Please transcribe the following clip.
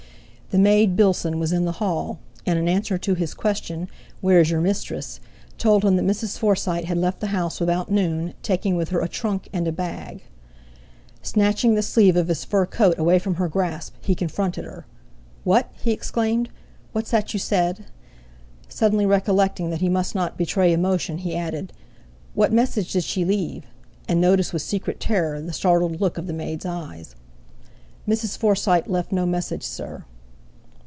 The maid Bilson was in the hall, and in answer to his question: "Where is your mistress?" told him that Mrs. Forsyte had left the house about noon, taking with her a trunk and bag. Snatching the sleeve of his fur coat away from her grasp, he confronted her: "What?" he exclaimed; "what's that you said?" Suddenly recollecting that he must not betray emotion, he added: "What message did she leave?" and noticed with secret terror the startled look of the maid's eyes. "Mrs. Forsyte left no message, sir."